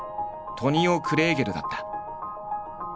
「トニオ・クレエゲル」だった。